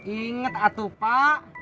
ingat atu pak